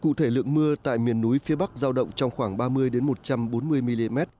cụ thể lượng mưa tại miền núi phía bắc giao động trong khoảng ba mươi một trăm bốn mươi mm